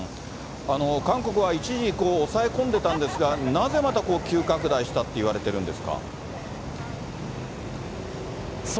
韓国は一時、抑え込んでたんですが、なぜまたこう急拡大したっていわれてるんです？